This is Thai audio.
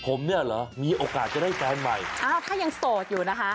ผมเนี่ยเหรอมีโอกาสจะได้แฟนใหม่อ้าวถ้ายังโสดอยู่นะคะ